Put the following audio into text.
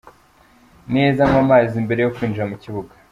Neza anywa amazi mbere yo kwinjira mu kibuga.